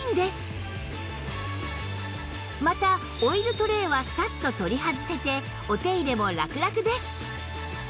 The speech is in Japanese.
またオイルトレーはサッと取り外せてお手入れもラクラクです